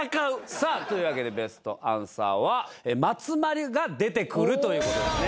さあというわけでベストアンサーはまつまりが出てくるということですね。